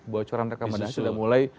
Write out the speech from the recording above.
bocoran rekomendasi sudah mulai